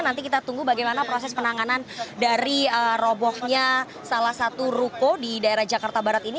nanti kita tunggu bagaimana proses penanganan dari robohnya salah satu ruko di daerah jakarta barat ini